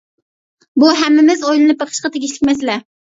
بۇ ھەممىمىز ئويلىنىپ بېقىشقا تېگىشلىك مەسىلە.